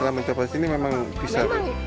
kalau mencoba disini memang bisa